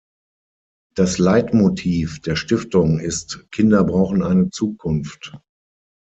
Das Leitmotiv der Stiftung ist „Kinder brauchen eine Zukunft“.